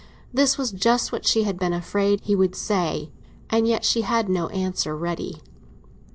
This was just what she had been afraid he would say; and yet she had no answer ready.